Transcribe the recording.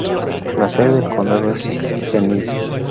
La sede del condado es Enid.